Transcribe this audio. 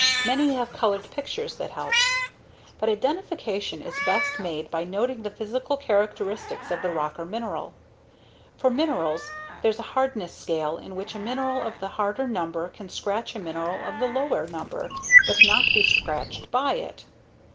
Many have colored pictures that help. But identification is best made by noting the physical characteristics of the rock or mineral. For minerals, there's a hardness scale in which a mineral of the higher number can scratch a mineral of the lower number but not be scratched by it.